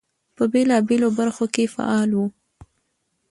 په بېلابېلو برخو کې فعال وو.